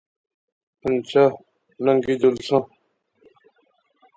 ہنچھا ننگی چلساں